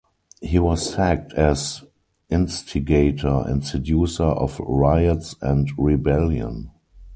He was sacked as "instigator and seducer of riots and rebellion".